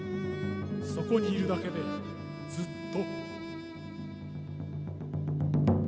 そこにいるだけでずっと。